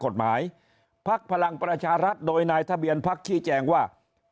กฎหมายภักดิ์พลังประชารัฐโดยนายทะเบียนภักดิ์ชี้แจ้งว่า